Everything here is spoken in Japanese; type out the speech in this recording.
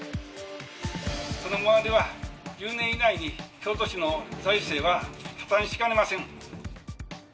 このままでは１０年以内に、京都市の財政は破綻しかねません。